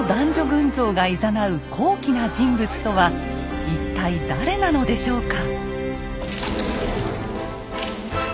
群像がいざなう高貴な人物とは一体誰なのでしょうか？